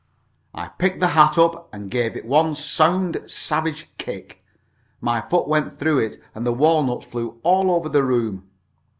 I picked the hat up, and gave it one sound, savage kick. My foot went through it, and the walnuts flew all over the room.